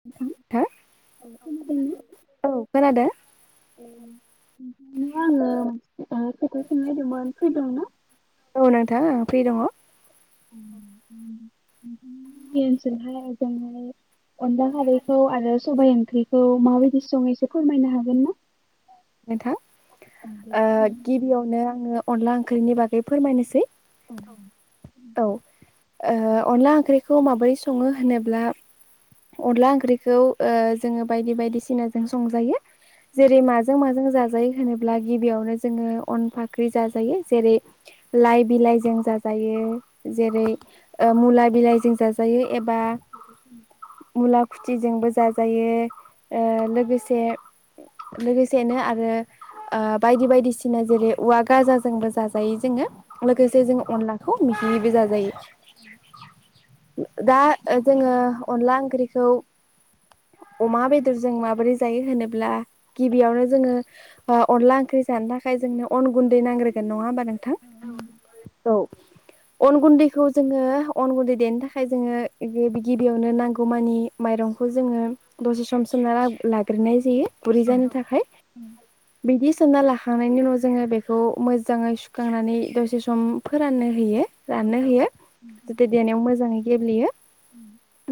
नोंथां थां औ खोनादों ना औ खोनादों औ नोंथांनो आङो सख्रि सों नागदोंमोन फैदों ना? औ नोंथां आं फ्रि दङ। अ सोल हाय जमनानै अनला खारैखौ आरो साइ माबादि सम फोरमायनो हागोन ना? नोंथां औ दे ओ फोरमाय गिबियावनो आङो अनला ओंख्रिनि बागै फोरमायनोसै। औ औ ओ अनला ओंख्रिखौ माबोरै सङो होनोब्ला। अनला ओंख्रिखौ ओ जोङो बायदि बायदिसिनाजों संजायो। जेरै माजों माजों जायो होनोब्ला गिबियावनो जोङो अन फाख्रि जायो जेरै लाइ बिलाइजों जाजायो जेरै ओ मुला बिलाइजों जाजायो एबा मुला खुथिजोंबो जाजायो ओ लोगोसे लोगोसेनो आरो बायदि बायदिसिना जेरै औवा गाजाजोंबो जाजायो जोङो। औ लोगोसे जोङो अनलाखौ बिदिबो जाजायो। दा जोङो अनला ओंख्रिखौ अमा बेदरजों माबोरै जायो होनोब्ला गिबियावनो जोङो ओ अनला ओंख्रि जानो थाखाय जोंनो अन गुन्दै नांग्रोगोन नङा होमबा नों नोंथां औ अन गुन्दैखौ जोङो अन गुन्दै देनो थाखाय जोङो गिबि गिबियाव मोननो नांगौमानि माइरंखौ जोङो दसे सम सोमना लाग्रोनाय जायो। गुरै औ जानो थाखाय बिदि। सोनना लाखांनायनि उनाव जोङो बेखौ मोजाङै सुखांनानै दसे सम फोराननो होयो। औ राननो होयो जाथे देनायाव मोजाङै गेब्लेयो।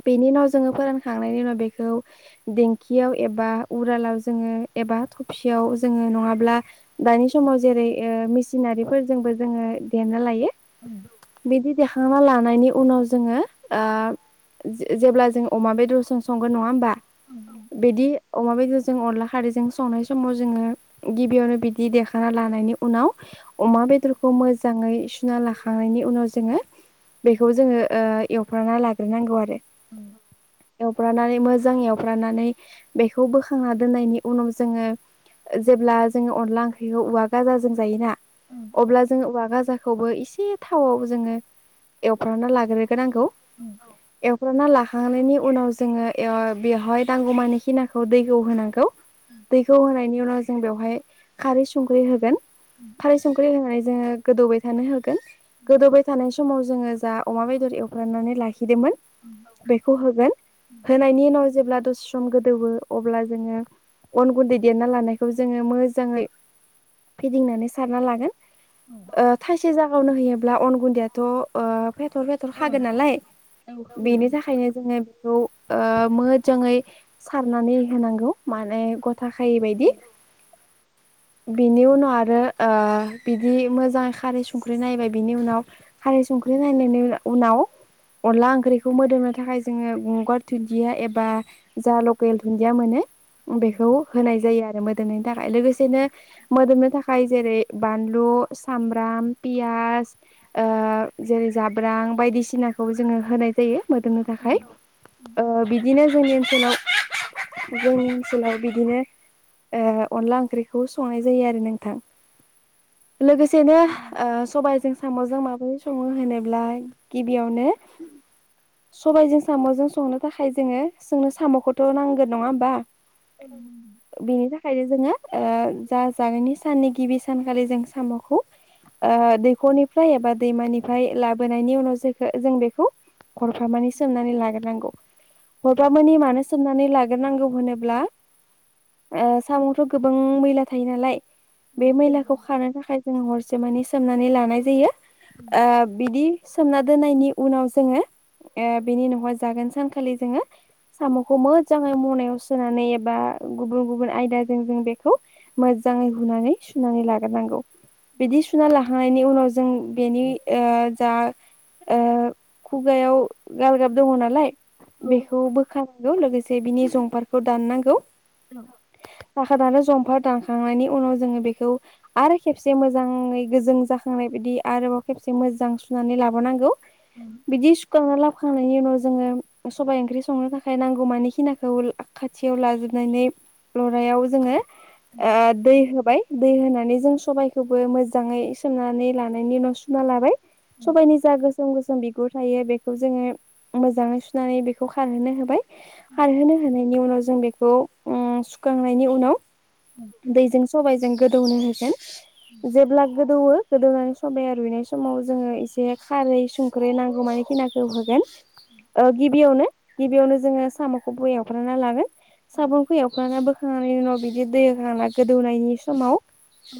बेनि उनाव जोङो फोरानखांनायनि उनाव बेखौ देंखियाव एबा उरालाव जोङो एबा थफसियाव जोङो नङाब्ला दानि समाव जेरै ओ मेसिनारिफोरजोंबो जोङो देरना लायो। नंगौ बिदि द थांना लानायनि उनाव जोङो ओ जेब्ला जों अमा बेदरजों संगोन नङा होमबा बिदि अमा बेदरजों अनला खारैजों संनाय समाव जोङो गिबियावनो बिदि देखा लानायनि उनाव अमा औ बेदरखौ मोजाङै सुना लाखांनायनि उनाव जोङो बेखौबो जोङो ओ एवफ्रना लाग्रोनांगौ आरो उ एवफ्रामनानै मोजां एवफ्रामनानै बेखौ बोखांना दोननायनि उनाव जोंङो जेब्ला जोंङो अनला ओंख्रिखौ औवा गाजाजों जायोना औ अब्ला जोंङो औवा गाजाखौ खौबो एसे थावाव जोंङो एवफ्रांना लाग्रोगोनांगखौ औ ना लाखांनायनि उनाव जोंङो बेवहाय नांगौमानि खि नाखौ दैखौ होनांगौ दैखौ होनायनि उनाव जों बेवहाय खारै संख्रि होगोन खाराय संख्रि होनानै जोंङो गोदौबाय थानो होगोन गोदौबाय थानाय समाव जोंङो जा अमा बेदर एवफ्रामनानै लाखिदोंमोन बेखौ होगोन होनायनि उनाव जेब्ला दसे सम्र गोदौवो अब्ला जोंङो अन गुन्दै देरना लानायखौ जोंङो मोजांङै फिदिंनानै सारना लागोन थाइसे जाब खावनो होयोब्ला अन गुन्दैयाथ' ओ बेदर बेदर खागोन नालाय बेनि थाखायनो जोंङो बेखौ ओ मोजांङै सारनानै होनांगौ माने थाखैबाय बायदि बिनि उनाव आरो ओ बिदि मोजां खारै संख्रि नायबाय बिनि उनाव खारै संख्रि नायनायनि उनाव अनला ओंख्रि बेखौ मोदोमनो थाखाय जोंङो गंगार दुन्दिया एबा जा लकेल दुन्दिया मोनो बेखौ होनाय जायो आरो मोदोमनायनि थाखाय लोगोसेनो मोदोमनो थाखाय जेरै बानलु सामब्राम पियास जेरै जाब्रां बायदिसिनाखौ जोंङो होनाय जायो मोदोमनो औ थाखाय ओ बिदिनो जोंनि ओ जोंनि ओनसोलाव बिदिनो ओ अनला ओंख्रिखौ संनाय जायो आरो नोंथां लोगोसेनो औ ओ सबाइजों साम'जों माबोरै संङो होनोब्ला गिबियावनो सबायजों साम'जों संनो थाखाय जोंङो जोंनो साम'खौथ' नांगोन नङा होमबा औ बिनि थाखायनो जोंङो ओ जा जानायनि साननि गिबि सानखालि जों साम'खौ ओ दैखरनिफ्राय एबा दैमानिफ्राय लाबोनायनि उनाव जोखौ जों बेखौ हरफामानि सोमनानै लाग्रोनांगौ हरफामानि मानो सोमनानै लागो नांगौ होनोब्ला ओ साम'आवथ' गोबां मैला थायो नालाय बे फैयो मैलाखौ खानो थाखाय जों हरसे माने सोमनानै लानाय जायो। ओ बिदि सोमना दोननायनि उनाव जोङो ओ बेनि उनावहाय जागोन सानखालि जोङो साम'खौ मोजाङै मनायाव सोनानै एबा गुबुन गुबुन आयदाजों जों बेखौ मोजाङै हुनानै सुनानै लाग्रोनांगौ। बिदि सुना‌ लाहा नायनि उनाव जों बेनि ओ जा ओ खुगायाव गालगाब दङ नालाय औ औ बेखौ बोखार गौ लोगोसे बिनि जंफारखौ दाननांगौ। औ [unintelligible] आरो जंफार दानखांनायनि उनाव जोङो बेखौ आरो खेबसे मोजाङै गोजों जाखांनाय बायदि आरोबाव खेबसे मोजां सुनानै लाबोनांगौ। औ। बिदि सुखांना लाबोखांनायनि उनाव जोङो सबाय ओंख्रि संनो थाखाय नांगौमानि खिनाखौ खाथियाव लाजोबनानै लरायाव जोङो औ ओ दै होबाय दै होनानै जों सबायखौबो मोजाङै सोमनानै लानायनि उनाव सुना लाबाय। सबाय निजा गोसोम गोसोम जों बि गुर थायो बेखौ जोङो मोजाङै सुनानै बेखौ खारहोनो होबाय। आरो होनायनि उनाव जो जों बेखौ उम सुखांनायनि उनाव दैजों सबायजों गोदौनो होगोन जेब्ला गोदौवो गोदौनानै सबाया रुइनाय समाव जोङो एसे खारै सं ख्रि नांगौ मान खिनाखौ होगोन। ओ गिबियावनो गिबियावनो जोङो साम'खौबो एवग्रोना लागोन। साब'खौ एवफ्राना बो खांनायनि उनाव बिदि दै होखांना गोदौनायनि समाव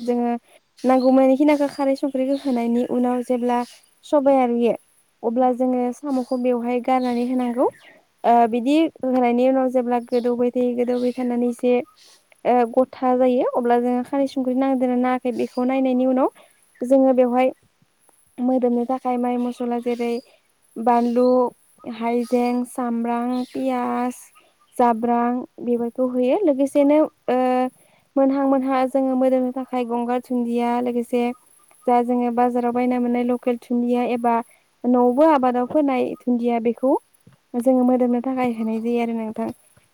जोङो नांगौमानि खिनाखौ खारै संख्रिखौ होनायनि उनाव जेब्ला सबाया रुइयो अब्ला जोङो साम'खौ बेवहाय गारनानै होनांगौ। ओ बिदि होनायनि उनाव जेब्ला गोदौबाय थायो गोदौबाय थानानै जे ओ गथा जायो अब्ला जोङो खारै संख्रि नांदोंना नाङाखै बेखौ नायनायनि उनाव जोङो बेवहाय मोदोमनो थाखाय माइ मसला जेरै बानलु हायजें सामब्राम पियास जाब्रां बेफोरखौ होयो लोगोसेनो ओ मोनहां मोनहाङाव जोङो मोदोमनो थाखाय गंगार थुन्दिया लोगोसे दा जोङो बाजाराव बायना मोननाय लकेल थुन्दिया एबा न'आवबो आबादाव फोनाय थुन्दिया बेखौ जोङो मोदोमनो थाखाय होनाय जायो आरो नोंथां।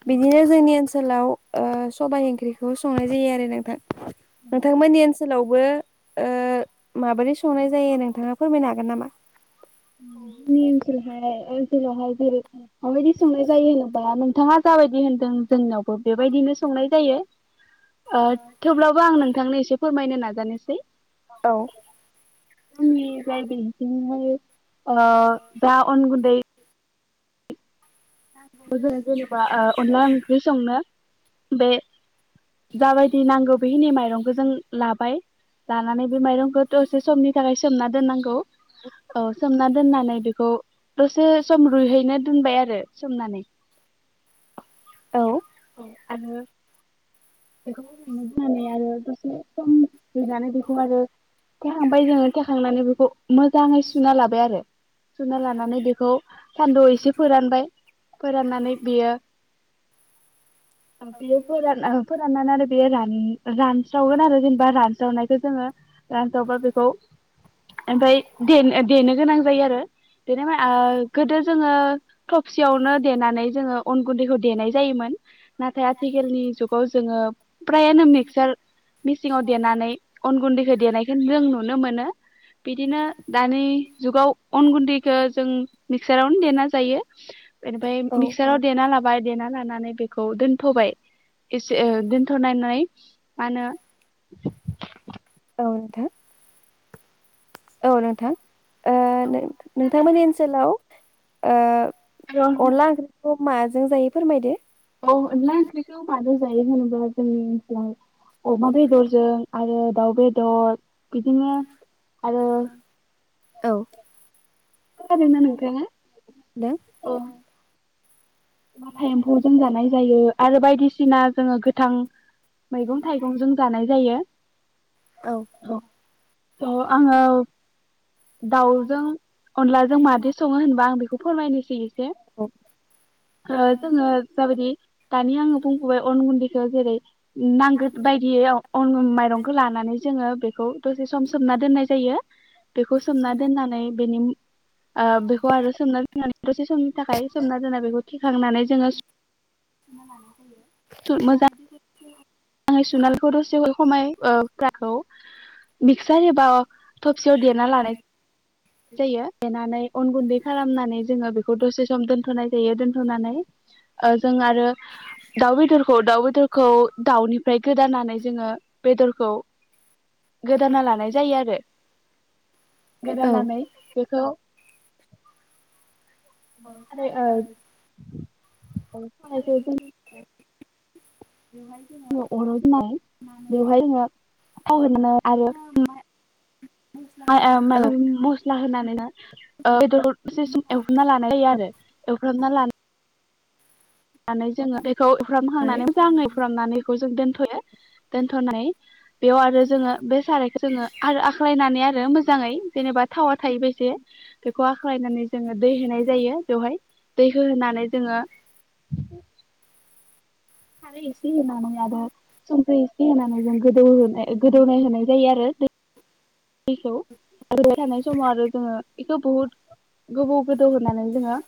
औ बिदिनो जोंनि ओनसोलाव ओ सबाय ओंख्रिखौ संनाय जायो आरो नोंथां नोंथांमोननि ओनसोलावबो ओ माबोरै संनाय जायो नोंथाङा फोरमायनो हागोन नामा नि ओनसोलावहाय‌ ओ जोंनि ओनसोलावहाय जेरै माबायदि संनाय जायो होनोबा नोंथाङा जाबायदि होनदों जोंनियावबो बेबायदिनो संनाय जायो ओ थेवब्लाबो आं नोंथांनो एसे फोरमायनो नागिर खोथानोसै औ [unintelligible] बिनिहायो ओ दा अन गुन्दै जों जेनेबा अनला ओंख्रि संनो बे जाबायदि नांगौ बेखिनि माइरंखौ जों लाबाय दानानै बे माइरंखौथ समनि थाखाय जोमना दोननांगौ औ सोमना दोननानै बेखौ दसे सम रुइहैनो दोनबाय आरो सोमनानै औ औ आरो बेखौनो होननानै आरो दसे सम देनानै बेखौ आरो थेखांबाय जोङो थेखांनानै बेखौ मोजाङै सुना लाबाय आरो सुना लानानै बेखौ सान्दुआव एसे फोरानबाय फोराननानै बियो बियो फोरानना हो आरो बे रानस्रावगोन आरो जेनेबा रानस्रावनायखौ जोङो रानथावबा बेखौ ओमफाय देनो देनो गोनां जायो आरो देनाया गोदो जोङो थफसियावनो देनानै जोङो अन गुन्दैखौ देनाय जायोमोन नाथाय आथिखालनि जुग खौ जोङो फ्रायानो मिक्सार मेसिङाव देनानै अन गुन्दैखौ देनायखौ जों नुनो मोनो बिदिनो दानि जुगाव अन गुन्दैखौ जों मिक्सारावनो देना जायो बेनिफ्राय औ मिक्साराव देना लाबो बाय देना लानानै बेखौ दोनथ'बाय। एसे दोनथ'नायनानै मा होनो औ' नींथां। औ नोंथां ओ नों नोंथांमोननि ओनसोलाव होनो ओ' अनलाांओंख्रिखौ माजों जायो फोरमायदो। औ' अनला ओंख्रिखौव मानो म होनानोबा जोंनि ओनसोलाव अमा बेदरजों आरो दाउ बेदर बिदिनो आरो औ' खोनादोंना नोंथाङा नों ओ। माथा एम्फौ जों जानाय जायो आरो बायदिसिना जोङो गोथां मैगं थाइगंजों जानाय जायो। औ आङो दाउजों अनलाजों मादि सङो होनबा आं बेखौ फमाय नखि [unintelligible] से [unintelligible] जोङो जाबायदि दानि आङो बुंखबाय अन बिखौ जेरै नांगौ बायदियै माइरंखौ लानानै जोङो बेखौ दसे सम सोमना दोननाय जायो। बेखौ सोमना दोननानै बेनि बेखौ आरो सोमना दोननानै दसे समनि थाखाय सोमना दोननाय बेखौ थिखांनानै जोङो मा लाना फैयो [inaudible] स मोजां आंनि सुनालखौ दसे खमाय ओ फुरानखौ बिक्सारि एबा थबसेयाव देना लानायस जायो देनानै अन गुन्दै खालामनानै जोंङो बेखौ दसे सम दोनथ'नाय जायो दोनथ'नानै ओ जों आरो दाउ बेदरखौ दाउ बेदरखौ दाउनि ओमफ्राय गोदानानै जोङो बेदरखौ गोदाना लानाय जायो आरो। औ गोदानानै बेखौ आरो ओ सारायखौ [unintelligible] अर आव होनाय बेवहायाय जोंङो थाव होयो। बेयावनो आरो औ माबा मस्ला होनानैनो बेदर एसे सम एवफ्रामना लानाय जायो आरो एवफ्रामना लानो नानै जोंङो बेखौ एफ्रामखांनानै मोजांङै एवफ्रामनानै बेखौ जों दोनथ' दोन्थ'नाय बेयाव आरो जोङो बे सारायखौ जोङो आरो आख्लायनानै आरो मोजाङै जेनेबा थावा थायि बादि बेखौ आख्लायनानै जोङो दै होनाय जायो बेवहाय। दै हो होनानै जोंङो [inaudible] खारै एसे होनानै आरो संख्रि एसे होनानै जों गोदौ गोदौनाय होनाय जायो आरो दैखौ गोदौबाय थानाय समाव आरो जोंङो बेखौ बहुद गोबाव गोदौ होनानै जोङो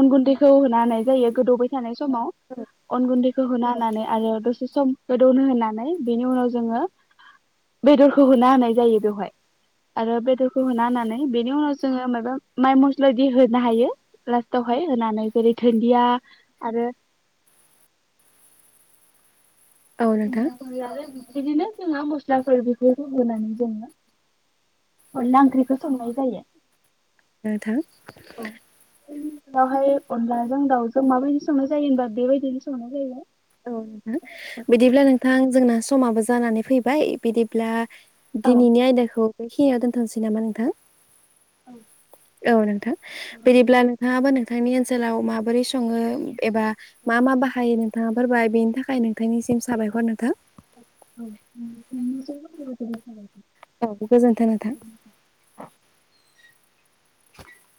अन गुन्दैखौ होना होनाय जायो गोदौबाय थानाय समाव अन गुन्दैखौ होना होनानै आरो दसे सम गोदौनो होना नै बेनि उनाव जोंङो बेदरखौ होना होनाय जायो। आरो बेदरखौ होना होननानै बेनि उनाव जोंङो माइबा माइ मु बायदि होनो हायो लास्टावहाय होनानै जेरै दुन्दिया आरो [inaudible] औ नोंथां [inaudible] आरो बिदिनो जोंहा मस्लाफोर बिफोर बनानै संनो अनला ओंख्रिखौ संनाय जायो, नोंथां [inaudible] औ बावहाय अनलाजों दाउजों माबायदि संनाय जायो होनम्बा बेबायदिनो संनाय जायो औ बिदिनो बिदिब्ला नोंथां जोंना समाबो जानानै फैबाय बिदिब्ला औ दिनैनि आइदाखौ बेखिनिया दोनथनोसै नामा नोंथां? औ नोंथां बिदिब्ला नोंथांङा बोनो नोंथांनि ओनसोलाव माबोरै संङो एबा मा मा बाहायो नो बेनि थाखाय नोंथांनिसिम साबायखर नोथां। औ जोबोद औ गोजोन्थों नोंथां। [inaudible] [inaudible]